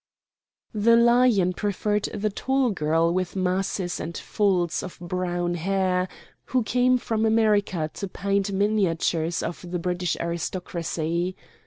The Lion preferred the tall girl with masses and folds of brown hair, who came from America to paint miniatures of the British aristocracy.